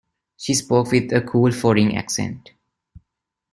She spoke with a cool foreign accent.